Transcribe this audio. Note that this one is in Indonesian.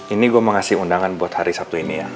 ini gue mau ngasih undangan buat hari sabtu ini ya